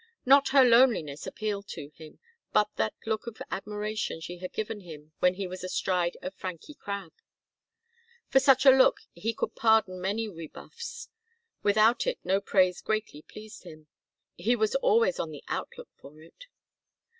Not her loneliness appealed to him, but that look of admiration she had given him when he was astride of Francie Crabb. For such a look he could pardon many rebuffs; without it no praise greatly pleased him; he was always on the outlook for it.